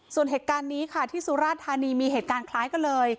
ส่วนเหตุการณ์นี้ค่ะที่สุราธานีมีเหตุการณ์คล้ายกันเลย